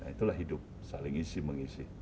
itulah hidup saling isi mengisi